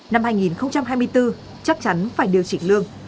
năm hai nghìn hai mươi bốn chắc chắn phải điều chỉnh lương